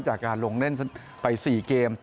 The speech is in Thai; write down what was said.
จากการลงเล่นไป๔เกม